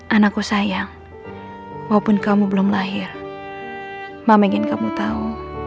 anakku sayang walaupun kamu belum lahir mama ingin kamu tahu